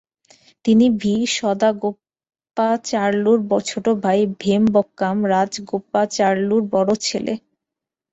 তিনি ভি সদাগোপাচারলুর ছোট ভাই ভেমবক্কাম রাজগোপাচারলুর বড় ছেলে।